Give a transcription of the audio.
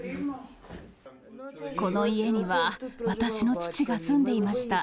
この家には、私の父が住んでいました。